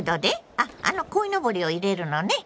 あっあのこいのぼりを入れるのね？